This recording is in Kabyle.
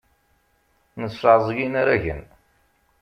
Nesseɛẓeg inaragen.